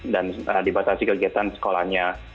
dan dibatasi kegiatan sekolahnya